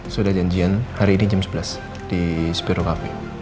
sudah janjian hari ini jam sebelas di spiro cafe